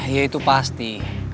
ya itu pasti